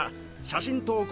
写真とう